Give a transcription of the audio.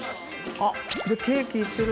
あっケーキいってる。